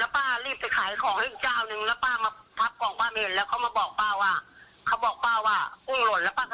แล้วป้ามาพับกล่องป้ามาเห็นแล้วเขามาบอกป้าว่า